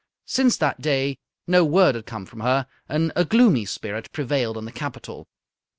Since that day no word had come from her, and a gloomy spirit prevailed in the capital.